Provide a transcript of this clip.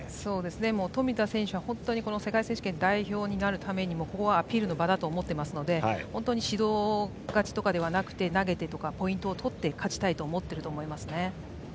冨田選手は、本当に世界選手権代表になるためにここはアピールの場だと思っていますので本当に指導勝ちとかではなくて投げて、ポイントを取って勝ちたいと思ってると思いますね。